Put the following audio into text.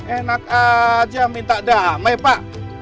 enak aja minta damai pak